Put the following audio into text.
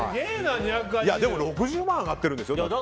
でも６０万上がってるんですよ。